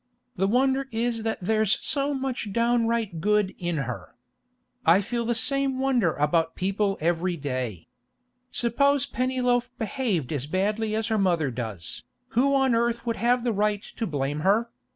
The wonder is that there's so much downright good in her; I feel the same wonder about people every day. Suppose Pennyloaf behaved as badly as her mother does, who on earth would have the right to blame her?